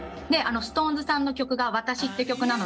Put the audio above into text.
ＳｉｘＴＯＮＥＳさんの曲が「わたし」って曲なので。